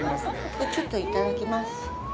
ちょっといただきます。